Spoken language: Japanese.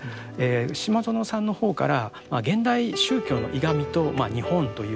島薗さんの方から現代宗教の歪みと日本ということですね。